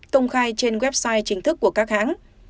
công khai trên website chính thức của các hãng